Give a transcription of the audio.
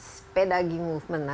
sepeda ging movement